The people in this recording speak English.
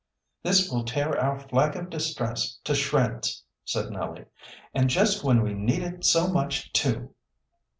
"This will tear our flag of distress to shreds," said Nellie. "And just when we need it so much, too!"